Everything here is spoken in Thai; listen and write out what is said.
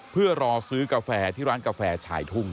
เพื่อรอซื้อกาแฟที่ร้านกาแฟฉายทุ่ง